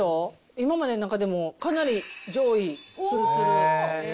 今までの中でも、かなり上位、つるつる。